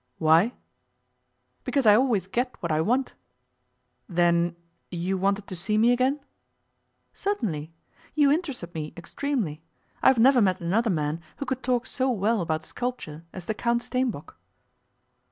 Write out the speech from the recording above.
'Why?' 'Because I always get what I want.' 'Then you wanted to see me again?' 'Certainly. You interested me extremely. I have never met another man who could talk so well about sculpture as the Count Steenbock.